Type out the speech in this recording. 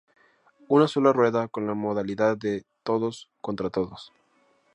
Una sola rueda con la modalidad de todos contra todos.